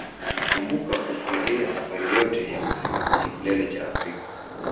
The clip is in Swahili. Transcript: Kumbuka kufurahia safari yote ya kufika kwenye kilele cha Afrika